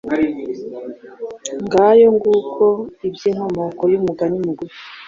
ngayo nguko iby' inkomoko y' umugani mugufi "